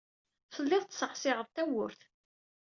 Telliḍ tettṣeɛṣiɛeḍ tawwurt.